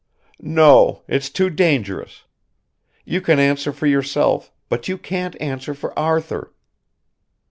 "No ... it's too dangerous. You can answer for yourself, but you can't answer for Arthur."